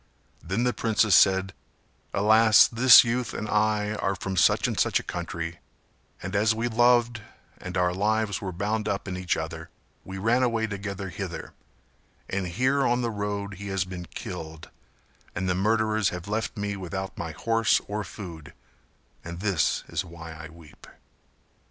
Then the princess said "Alas, this youth and I are from such and such a country and as we loved and our lives were bound up in each other we ran away together hither, and here on the road he has been killed and the murderers have left me without my horse or food; and this is why I weep."